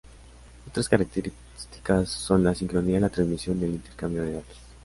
Otras características son la sincronía, la transmisión y el intercambio de datos.